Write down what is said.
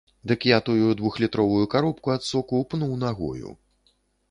Дык я тую двухлітровую каробку ад соку пнуў нагою.